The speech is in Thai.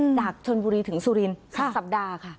จากชนบุรีถึงสุรินสัปดาห์ค่ะ